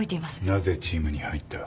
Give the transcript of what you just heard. なぜチームに入った。